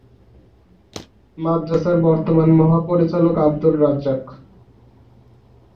মাদ্রাসার বর্তমান মহাপরিচালক আবদুর রাজ্জাক।